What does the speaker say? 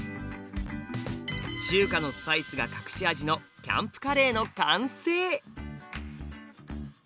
中華のスパイスが隠し味の「キャンプカレー」の完成。